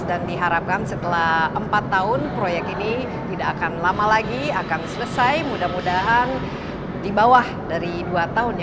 dan diharapkan setelah empat tahun proyek ini tidak akan lama lagi akan selesai mudah mudahan di bawah dari dua tahunnya